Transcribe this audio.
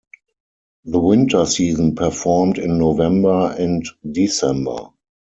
The winter season performed in November and December.